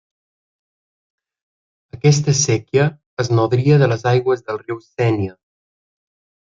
Aquesta séquia es nodria de les aigües del riu Sénia.